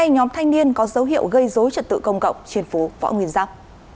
hai nhóm thanh niên có dấu hiệu gây dối trật tự công cộng trên phố võ nguyên giáp